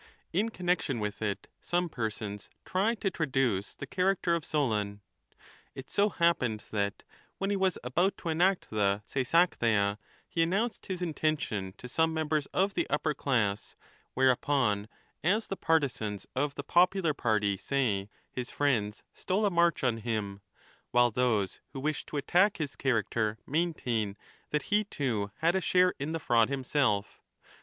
In connection with it some persons try to traduce the character of Solon. It so happened that, when he was about to enact the Seisachtheia, he announced his intention to some members of the upper class, whereupon, as the partisans of the popular party say, his friends to ARISTOTLE ON THE [en. 6. stole a march on him ; while those who wish to attack his character maintain that he too had a share in the fraud himself.